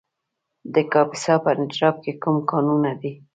د کاپیسا په نجراب کې کوم کانونه دي؟